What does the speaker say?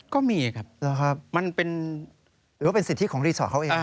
ก็มีครับมันเป็นหรือว่าเป็นสิทธิของรีสอร์ทเขาเอง